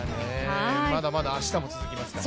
まだまだあしたも続きますから。